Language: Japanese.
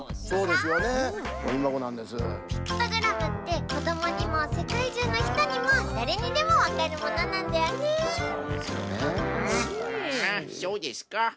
そうですか。